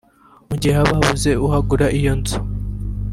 Mu gihe haba habuze uwagura iyo nzu